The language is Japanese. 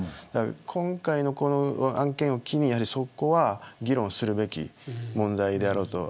今回の、この案件を機にそこは議論をするべき問題だろうと。